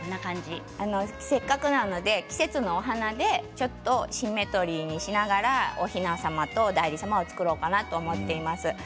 せっかくなので季節の花でちょっとシンメトリーにしながらおひな様とお内裏様を作ろうかなと思っています。